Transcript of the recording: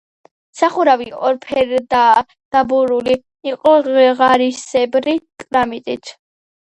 სახურავი ორფერდაა, დაბურული იყო ღარისებრი კრამიტით.